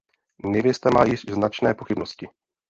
Nevěsta má již značné pochybnosti.